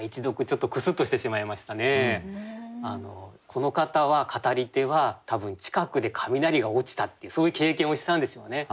この方は語り手は多分近くで雷が落ちたっていうそういう経験をしたんでしょうね。